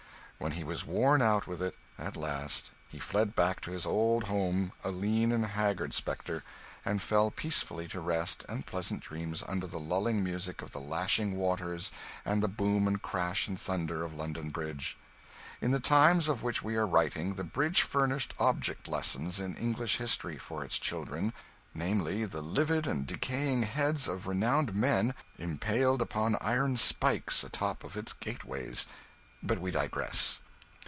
When he was worn out with it, at last, he fled back to his old home, a lean and haggard spectre, and fell peacefully to rest and pleasant dreams under the lulling music of the lashing waters and the boom and crash and thunder of London Bridge. In the times of which we are writing, the Bridge furnished 'object lessons' in English history for its children namely, the livid and decaying heads of renowned men impaled upon iron spikes atop of its gateways. But we digress.